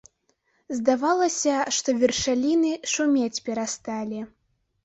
Здавалася, што вершаліны шумець перасталі.